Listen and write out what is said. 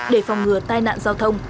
để phòng ngừa tai nạn giao thông